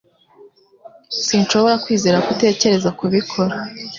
Sinshobora kwizera ko utekereza kubikora.